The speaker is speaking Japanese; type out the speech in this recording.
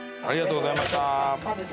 ありがとうございます。